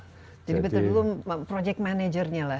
jadi betul betul project managernya lah